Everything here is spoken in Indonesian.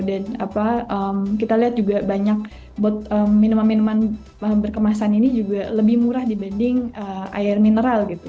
dan kita lihat juga banyak minuman minuman berkemasan ini juga lebih murah dibanding air mineral gitu